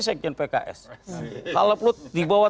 sekjen pks kalau perlu dibawa